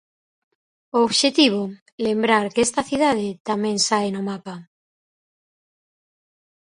O obxectivo, lembrar que esta cidade tamén sae no mapa.